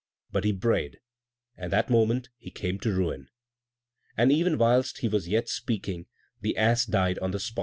But he brayed! And that moment he came to ruin." And even whilst he was yet speaking the ass died on the spot!